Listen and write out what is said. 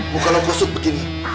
muka lo kosut begini